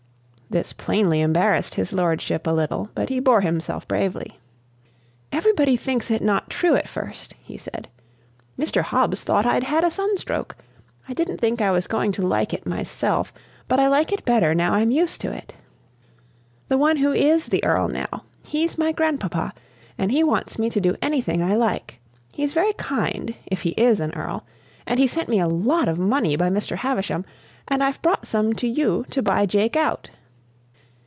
This plainly embarrassed his lordship a little, but he bore himself bravely. "Everybody thinks it not true at first," he said. "Mr. Hobbs thought I'd had a sunstroke. I didn't think I was going to like it myself, but I like it better now I'm used to it. The one who is the Earl now, he's my grandpapa; and he wants me to do anything I like. He's very kind, if he IS an earl; and he sent me a lot of money by Mr. Havisham, and I've brought some to you to buy Jake out."